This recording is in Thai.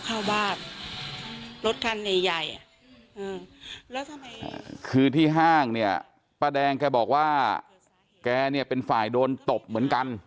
เข้าบ้านรถขันใหญ่คือที่ห้างเนี่ยป้าแดงเค้าบอกว่าแกเนี่ยเป็นฝ่ายโดนตบเหมือนกัน